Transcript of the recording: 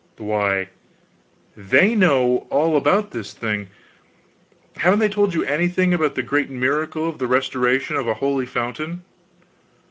"Why they know all about this thing. Haven't they told you anything about the great miracle of the restoration of a holy fountain?"